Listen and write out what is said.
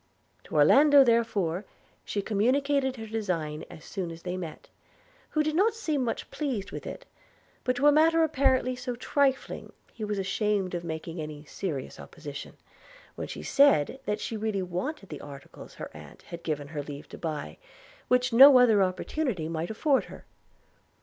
To Orlando, therefore, she communicated her design as soon as they met, who did not seem much pleased with it; but to a matter apparently so trifling he was ashamed of making any serious opposition, when she said that she really wanted the articles her aunt had given her leave to buy, which no other opportunity might afford her.